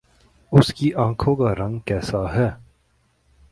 اس کی آنکھوں کا رنگ کیسا ہے